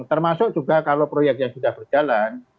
termasuk juga kalau proyek yang sudah berjalan